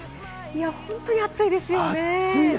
本当に暑いですよね。